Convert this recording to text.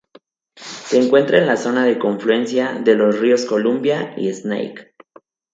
Se encuentra en la zona de confluencia de los ríos Columbia y Snake.